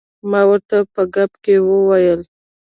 ما ورته په ګپ کې وویل.